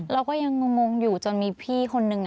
เราก็ยังงงอยู่จนมีพี่คนนึง